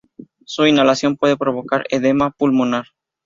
Su inhalación puede provocar edema pulmonar.